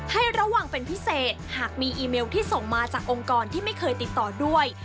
ให้ระวังเป็นพิเศษหากมีอีเมลที่ส่งมาจากองค์กรที่ไม่เคยติดต่อด้วย